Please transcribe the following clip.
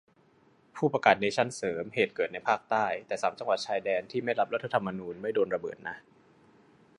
ผู้ประกาศเนชั่นเสริม เหตุเกิดในภาคใต้ แต่สามจังหวัดชายแดนที่ไม่รับรัฐธรรมนูญไม่โดนระเบิดนะ